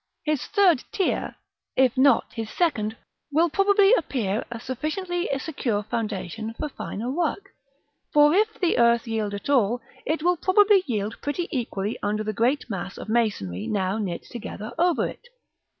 His third tier, if not his second, will probably appear a sufficiently secure foundation for finer work; for if the earth yield at all, it will probably yield pretty equally under the great mass of masonry now knit together over it.